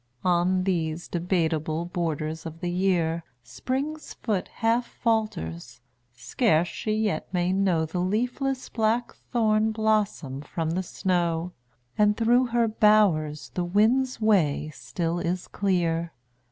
On these debateable* borders of the year Spring's foot half falters; scarce she yet may know The leafless blackthorn blossom from the snow; And through her bowers the wind's way still is clear.